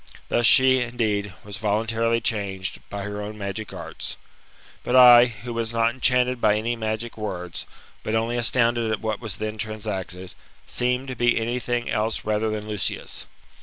Thus she, indeed, was voluntarily changed, by her own magic arts. But I, who was not enchanted by any magic words, but only astounded at what was then transacted, seemed to be anything else rather than Lucius.